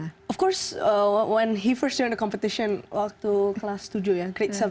tentu saja ketika dia pertama kali ikut kompetisi waktu kelas tujuh ya kelas tujuh